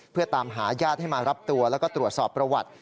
เพื่อตามหาญาติให้มารับตัวแล้วก็ตรวจสอบประวัติ